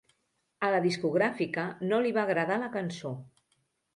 A la discogràfica no li va agradar la cançó.